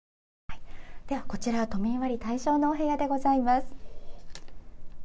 こちら、都民割対象のお部屋でございます。